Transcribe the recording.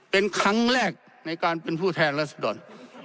เป็นครั้งแรกในการเป็นผู้แทนรัศดร